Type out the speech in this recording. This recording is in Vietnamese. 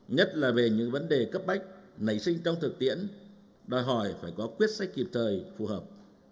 nhất là về những vấn đề cấp bách nảy sinh trong thực tiễn đòi hỏi phải có quyết sách kịp thời phù hợp